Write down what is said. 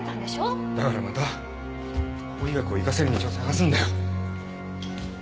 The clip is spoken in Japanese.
だからまた法医学を生かせる道を探すんだよ。